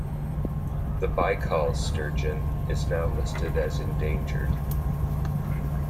The Baikal Sturgeon is now listed as endangered.